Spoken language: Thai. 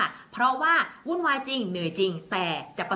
ส่งผลทำให้ดวงชะตาของชาวราศีมีนดีแบบสุดเลยนะคะ